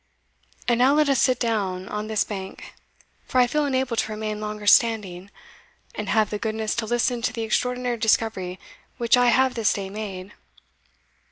And now let us sit down on this bank, for I feel unable to remain longer standing, and have the goodness to listen to the extraordinary discovery which I have this day made."